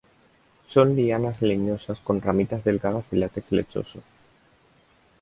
Son lianas leñosas con ramitas delgadas y látex lechoso.